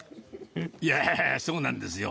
いやあ、そうなんですよ。